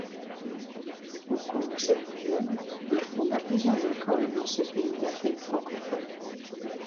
Au cours de cette période, il fonda plusieurs écoles dans ce pays d'Afrique francophone.